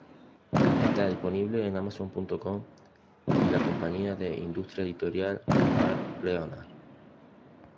Está disponible en Amazon.com y la Compañía de Industria editorial de Hal Leonard.